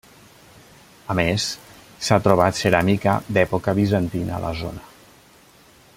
A més, s'ha trobat ceràmica d'època bizantina a la zona.